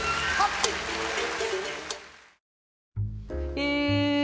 え。